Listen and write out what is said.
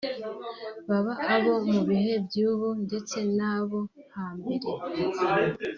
baba abo mu bihe by’ubu ndetse n’abo hambere